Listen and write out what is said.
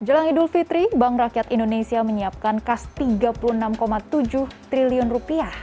jelang idul fitri bank rakyat indonesia menyiapkan kas tiga puluh enam tujuh triliun rupiah